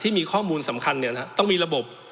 ที่มีข้อมูลสำคัญเนี่ยนะครับต้องมีระบบ